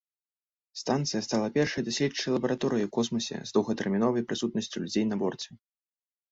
Станцыя стала першай даследчай лабараторыяй у космасе з доўгатэрміновай прысутнасцю людзей на борце.